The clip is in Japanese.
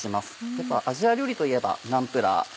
やっぱアジア料理といえばナンプラー。